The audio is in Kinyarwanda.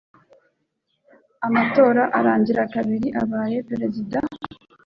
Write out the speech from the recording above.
amatora arangira Kabila abaye perezida